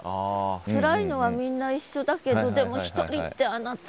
つらいのはみんな一緒だけどでも１人ってあなた。